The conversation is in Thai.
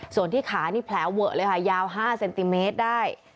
ส่วนที่ขานี่แผลเวอะเลยค่ะยาว๕เซนติเมตรได้